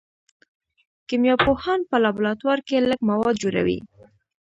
کیمیا پوهان په لابراتوار کې لږ مواد جوړوي.